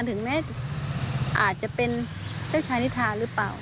ถึงแม้อาจจะเป็นเจ้าชายนิทาหรือเปล่า